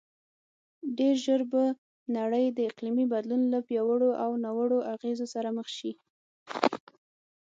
ډېرژر به نړی د اقلیمې بدلون له پیاوړو او ناوړو اغیزو سره مخ شې